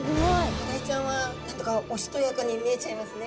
マダイちゃんは何だかおしとやかに見えちゃいますね。